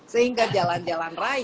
sehingga jalan jalan raya